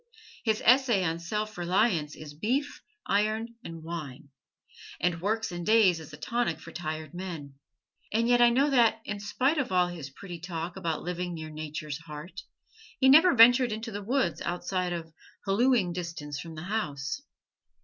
His "Essay on Self Reliance" is beef, iron and wine, and "Works and Days" is a tonic for tired men; and yet I know that, in spite of all his pretty talk about living near Nature's heart, he never ventured into the woods outside of hallooing distance from the house.